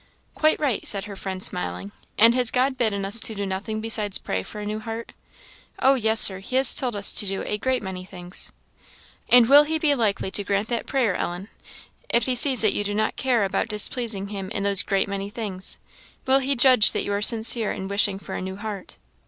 "Quite right," said her friend, smiling; "and has God bidden us to do nothing besides pray for a new heart?" "Oh yes, Sir, he has told us to do a great many things." "And will he be likely to grant that prayer, Ellen, if he sees that you do not care about displeasing him in those 'great many things?' will he judge that you are sincere in wishing for a new heart?"